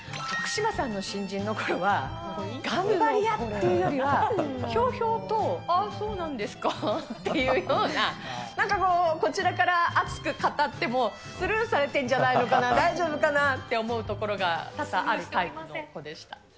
徳島さんの新人のころは、頑張り屋っていうよりは、ひょうひょうと、ああそうなんですかっていうような、なんかこう、こちらから熱く語ってもスルーされてるんじゃないのかな、大丈夫かなって思うところが多々あるタイプの子でした。